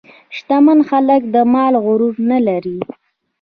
شتمن خلک د مال غرور نه لري.